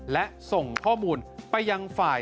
และส่งข้อมูลไปยังฝ่าย